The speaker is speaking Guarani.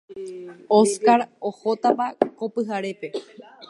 Óscar ohótapa ko pyhare.